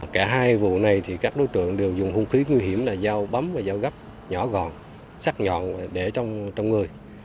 cả hai vụ này thì các đối tượng đều dùng hung khí nguy hiểm là dao bấm và dao gấp nhỏ gọn sắt nhọn để trong người